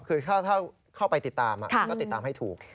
คือถ้าเข้าไปติดตามก็ติดตามให้ถูก